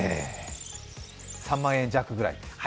３万円弱ぐらい？